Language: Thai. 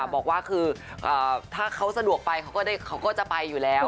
บอกว่าคือถ้าเขาสะดวกไปเขาก็จะไปอยู่แล้ว